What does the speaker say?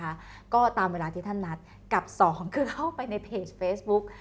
ตั้งตามเวลาที่ท่านนัดกลับสองคือเราไปในเฟสบุ๊ค